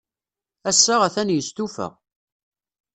Ass-a, atan yestufa.